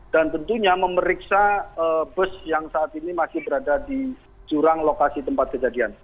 dan tentunya memeriksa bus yang saat ini masih berada di jurang lokasi tempat kejadian